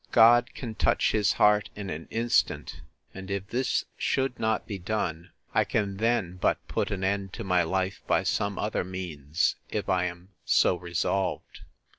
God can touch his heart in an instant; and if this should not be done, I can then but put an end to my life by some other means, if I am so resolved.